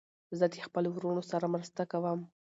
زه د خپلو وروڼو سره مرسته کوم.